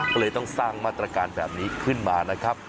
ก็เลยต้องสร้างมาตรการแบบนี้ขึ้นมานะครับ